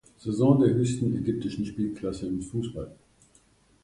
Saison der höchsten ägyptischen Spielklasse im Fußball.